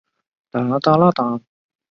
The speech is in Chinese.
川滇鼠李为鼠李科鼠李属下的一个种。